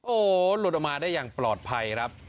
โอ้โหหลุดออกมาได้อย่างปลอดภัยครับ